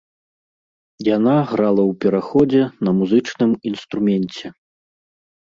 Яна грала ў пераходзе на музычным інструменце.